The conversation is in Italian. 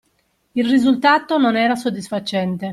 Il risultato non era soddisfacente.